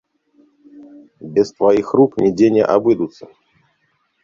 Без тваіх рук нідзе не абыдуцца.